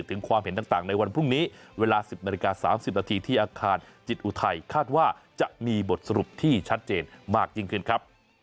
ความเห็นต่างในวันพรุ่งนี้เวลา๑๐นาฬิกา๓๐นาทีที่อาคารจิตอุทัยคาดว่าจะมีบทสรุปที่ชัดเจนมากยิ่งขึ้นครับ